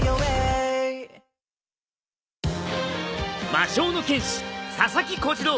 魔性の剣士佐々木小次郎。